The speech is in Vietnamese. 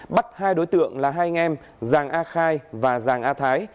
bắt hai đối tượng là hai anh em giàng a khai và giàng a thái